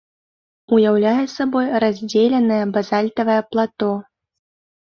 Уяўляе сабой раздзеленае базальтавае плато.